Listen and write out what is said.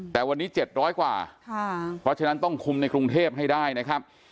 แต่วันนี้๗๐๐กว่าเพราะฉะนั้นต้องคุมในกรุงเทพให้ได้นะครับ